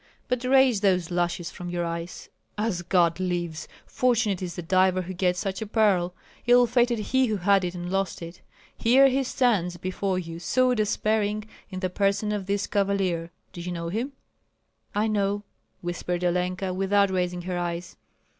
But raise those lashes from your eyes. As God lives! fortunate is the diver who gets such a pearl, ill fated he who had it and lost it. Here he stands before you, so despairing, in the person of this cavalier. Do you know him?" "I know," whispered Olenka, without raising her eyes.